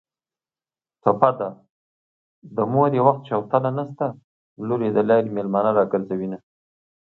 ټپه ده: د مور یې وخت شوتله نشته لور یې د لارې مېلمانه راګرځوینه